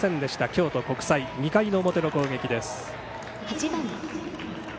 京都国際、２回の表の攻撃です。